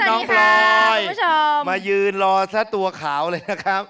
พลอยมายืนรอซะตัวขาวเลยนะครับ